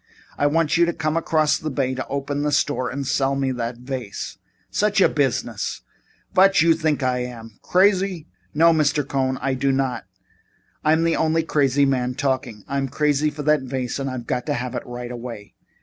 I want you to come across the bay and open the store and sell me that vase." "Such a business! Vot you think I am? Crazy?" "No, Mr. Cohn, I do not. I'm the only crazy man talking. I'm crazy for that vase and I've got to have it right away."